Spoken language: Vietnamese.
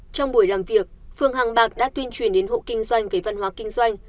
trong buổi làm việc phường hàng bạc đã tuyên truyền đến hộ kinh doanh về văn hóa kinh doanh